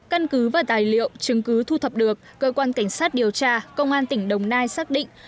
căn cứ và tài liệu chứng cứ thu thập được cơ quan cảnh sát điều tra công an tỉnh đồng nai xác định